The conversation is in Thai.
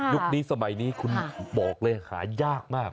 นี้สมัยนี้คุณบอกเลยหายากมาก